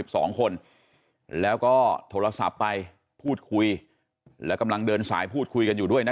สองคนแล้วก็โทรศัพท์ไปพูดคุยแล้วกำลังเดินสายพูดคุยกันอยู่ด้วยนะ